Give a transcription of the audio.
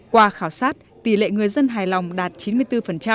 qua khảo sát tỷ lệ người dân hài lòng đạt chín mươi bốn